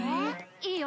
いいよ。